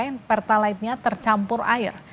yang pertalite nya tercampur air